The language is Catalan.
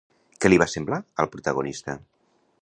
Què li va semblar al protagonista?